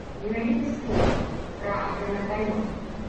Менавіта словы пра гранатамёт.